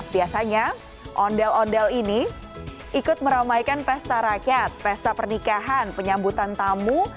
biasanya ondel ondel ini ikut meramaikan pesta rakyat pesta pernikahan penyambutan tamu